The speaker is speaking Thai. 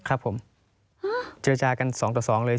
ครับผมเจรจากันสองต่อสองเลย